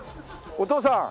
お父さん。